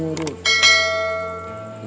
jangan bikin yang macem macem lah